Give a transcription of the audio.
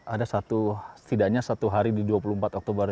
ada setidaknya satu hari di dua puluh empat oktober